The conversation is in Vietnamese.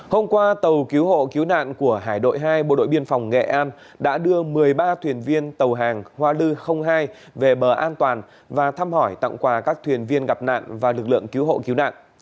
hôm qua tàu cứu hộ cứu nạn của hải đội hai bộ đội biên phòng nghệ an đã đưa một mươi ba thuyền viên tàu hàng hoa lư hai về bờ an toàn và thăm hỏi tặng quà các thuyền viên gặp nạn và lực lượng cứu hộ cứu nạn